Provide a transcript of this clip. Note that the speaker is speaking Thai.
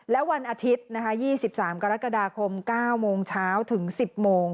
และวันอาทิตย์๒๓กรกฎาคม๙โมงเช้าถึง๑๐โมง